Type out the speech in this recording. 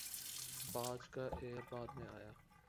باچ کا ایئر بعد میں آیا